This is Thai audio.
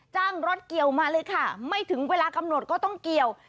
จ้างรถเกี่ยวมาเลยค่ะไม่ถึงเวลากำหนดก็ต้องเกี่ยว